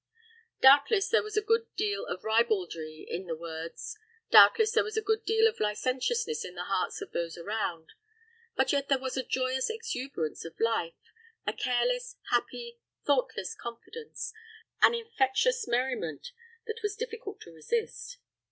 Doubtless there was a good deal of ribaldry in the words doubtless there was a good deal of licentiousness in the hearts of those around; but yet there was a joyous exuberance of life a careless, happy, thoughtless confidence an infectious merriment, that was difficult to resist.